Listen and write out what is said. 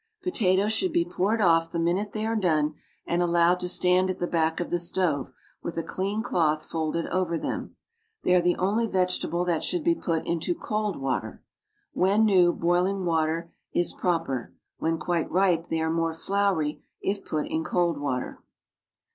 Potatoes should be poured off the minute they are done, and allowed to stand at the back of the stove with a clean cloth folded over them. They are the only vegetable that should be put into cold water. When new, boiling water is proper. When quite ripe they are more floury if put in cold water.